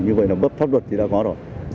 như vậy là bấp pháp luật thì đã có rồi